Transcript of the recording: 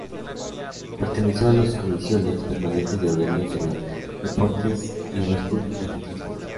Perteneció a las Comisiones permanentes de Gobierno Interior, Deportes y, Obras Públicas y Transporte.